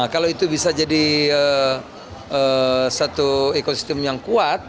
kalau itu bisa jadi satu ekosistem yang kuat